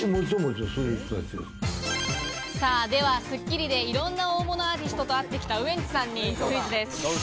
では、『スッキリ』でいろんな大物アーティストと会ってきたウエンツさんにクイズです。